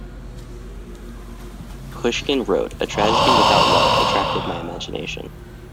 Pushkin wrote, A tragedy without love attracted my imagination.